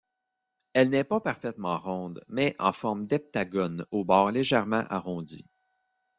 Elle n'est pas parfaitement ronde, mais en forme d'heptagone aux bords légèrement arrondis.